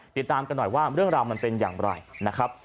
ติดตามกันหน่อยว่าเรื่องราวมันเป็นอย่างไรนะครับ